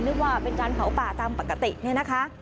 นึกว่าเป็นการเผาป่าตามปกติ